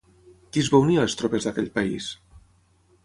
Qui es va unir a les tropes d'aquell país?